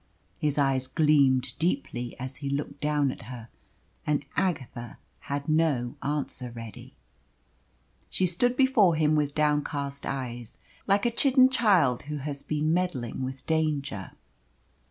His eyes gleamed deeply as he looked down at her. And Agatha had no answer ready. She stood before him with downcast eyes like a chidden child who has been meddling with danger.